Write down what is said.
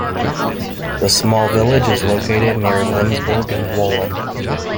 The small village is located near Lenzburg and Wohlen.